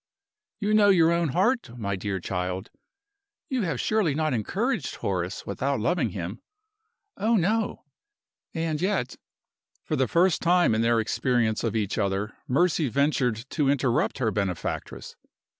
"You know your own heart, my dear child? You have surely not encouraged Horace without loving him?" "Oh no!" "And yet " For the first time in their experience of each other Mercy ventured to interrupt her benefactress.